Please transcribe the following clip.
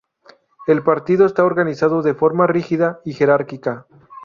El Partido está organizado de forma rígida y jerárquica.